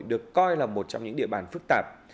được coi là một trong những địa bàn phức tạp